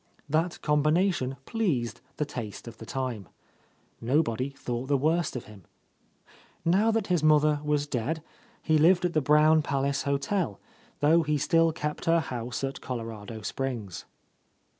That combination pleased the taste of the time. No body thought the worse of him. Now that his mother was dead, he lived at the Brown Palace hotel, though he still kept her house at Colorado Springs.